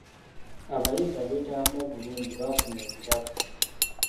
Abayizi abeetabamu obulungi baafuna ebirabo.